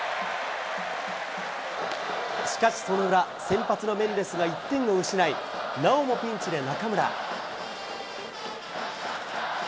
しかしその裏、先発のメンデスが１点を失い、なおもピンチで中村。